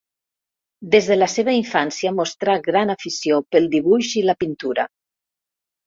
Des de la seva infància mostrà gran afició pel dibuix i la pintura.